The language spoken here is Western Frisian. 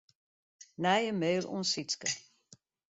Nije mail oan Sytske.